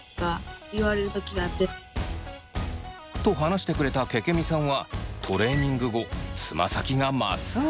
と話してくれたけけみさんはトレーニング後つま先がまっすぐに。